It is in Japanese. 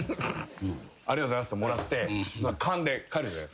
ありがとうございますってもらってかんで帰るじゃないですか。